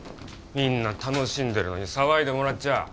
みんな楽しんでるのに騒いでもらっちゃ。